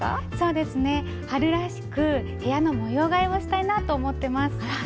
そうですね春らしく部屋の模様替えをしたいなと思ってます。